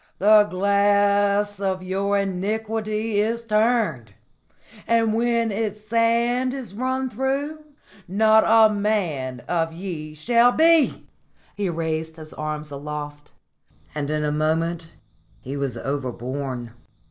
The glass of your iniquity is turned, and when its sand is run through, not a man of ye shall be!" He raised his arm aloft, and in a moment he was overborne.